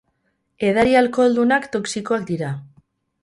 Edari alkoholdunak toxikoak dira.